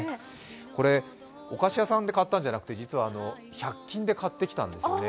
これ、お菓子屋さんで買ったんじゃなくて、実は百均で買ってきたんですよね。